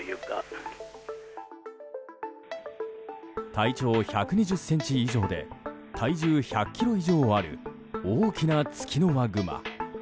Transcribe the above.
体長１２０ｃｍ以上で体重１００ｋｇ以上ある大きなツキノワグマ。